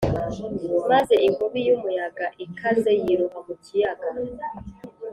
maze inkubi y’umuyaga ikaze yiroha mu kiyaga